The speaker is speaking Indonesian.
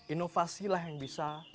inovasilah yang bisa